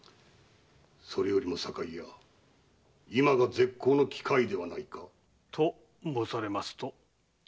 それよりも堺屋今が絶好の機会ではないか。と申されますと？